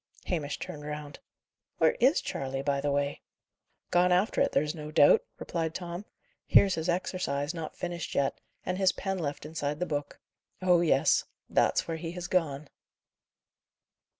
Hamish turned round. "Where is Charley, by the way?" "Gone after it, there's no doubt," replied Tom. "Here's his exercise, not finished yet, and his pen left inside the book. Oh yes; that's where he has gone!"